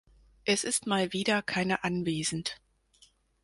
Es ist mal wieder keiner anwesend.